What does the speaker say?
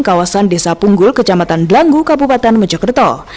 kawasan desa punggul kecamatan blanggu kabupaten mojokerto